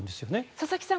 佐々木さん